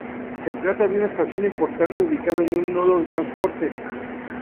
Se trata de una estación importante ubicada en un nodo de transporte.